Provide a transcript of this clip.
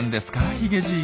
ヒゲじい。